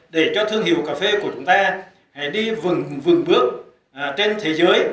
để cho thương hiệu cà phê của chúng ta đi vừng bước trên thế giới